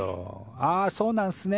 「ああそうなんすね。